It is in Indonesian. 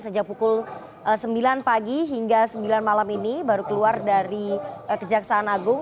sejak pukul sembilan pagi hingga sembilan malam ini baru keluar dari kejaksaan agung